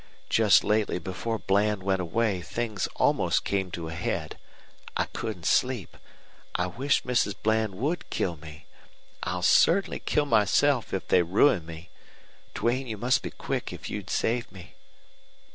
Just lately before Bland went away things almost came to a head. I couldn't sleep. I wished Mrs. Bland would kill me. I'll certainly kill myself if they ruin me. Duane, you must be quick if you'd save me."